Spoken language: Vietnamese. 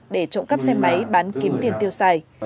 để trộm cắp xe máy bán kiếm tiền tiêu xài